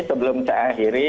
sebelum saya akhiri